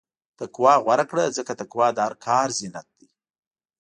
تقوی غوره کړه، ځکه تقوی د هر کار زینت دی.